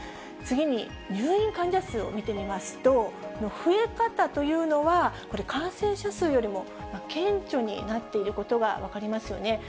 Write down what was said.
次に入院患者数を見てみますと、増え方というのは、感染者数よりも顕著になっていることが分かりますよね。